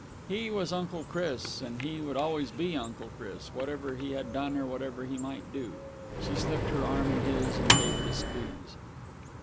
He was Uncle Chris, and he would always be Uncle Chris, whatever he had done or whatever he might do. She slipped her arm in his and gave it a squeeze.